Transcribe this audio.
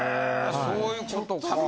そういうことか。